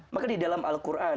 maka di dalam al quran